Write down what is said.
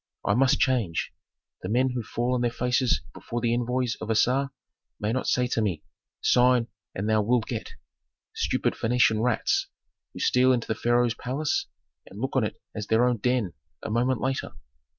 I must change. The men who fall on their faces before the envoys of Assar may not say to me, 'Sign and thou wilt get!' Stupid Phœnician rats, who steal into the pharaoh's palace and look on it as their own den a moment later!"